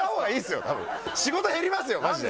仕事減りますよマジで。